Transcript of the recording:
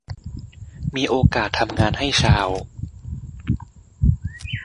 มีโอกาสทำงานให้ชาว